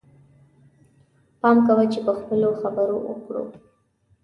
پام کوه چې په خپلو خبرو او کړو.